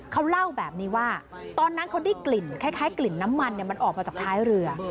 เขาเล่าแบบนี้ว่าตอนนั้นเขาได้กลิ่นคล้ายกลิ่นน้ำมันมันออกมาจากท้ายเรือ